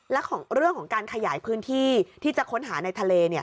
และของเรื่องของการขยายพื้นที่ที่จะค้นหาในทะเล